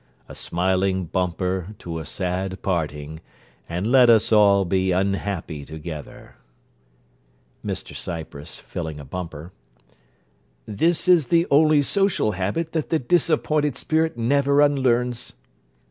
A smiling bumper to a sad parting, and let us all be unhappy together. MR CYPRESS (filling a bumper) This is the only social habit that the disappointed spirit never unlearns.